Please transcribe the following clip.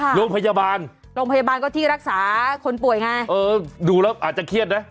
โรงพยาบาลโรงพยาบาลก็ที่รักษาคนป่วยไงเออดูแล้วอาจจะเครียดนะ